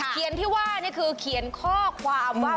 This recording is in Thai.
ที่ว่านี่คือเขียนข้อความว่า